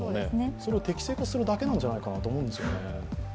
それを適正化するだけなんじゃないかなと思うんですよね。